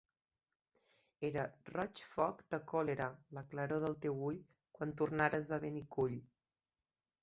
Era roig foc de còlera la claror del teu ull quan tornares de Benicull.